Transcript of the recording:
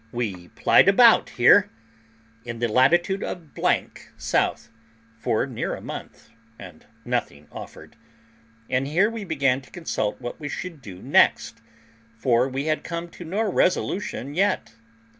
We plied about here, in the latitude of south, for near a month, and nothing offered; and here we began to consult what we should do next, for we had come to no resolution yet.